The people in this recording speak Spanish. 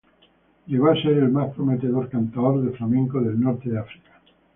Llegó a ser el más prometedor cantaor de flamenco del norte de África.